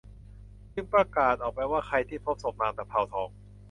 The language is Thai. จึงประกาศออกไปว่าใครที่พบศพนางตะเภาทอง